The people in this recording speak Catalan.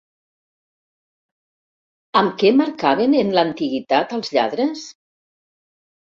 Amb què marcaven en l'antiguitat als lladres?